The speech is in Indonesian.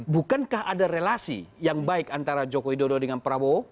bukankah ada relasi yang baik antara jokowi dodo dengan prabowo